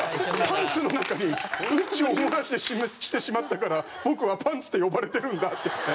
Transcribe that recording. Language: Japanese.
「パンツの中にウンチを漏らしてしまったから僕は“パンツ”って呼ばれてるんだ」って言って。